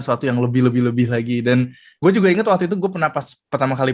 suatu yang lebih lebih lagi dan gue juga ingat waktu itu gue pernah pas pertama kali